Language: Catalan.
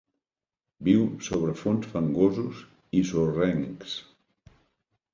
Viu sobre fons fangosos i sorrencs.